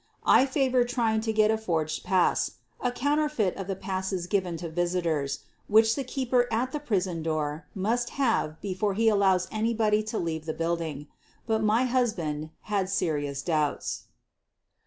I favored trying to get a forged pass — a counterfeit of the passes given to visitors, which the keeper at the prison door must have before he allows anybody to leave the building. But my husband had serious doubts.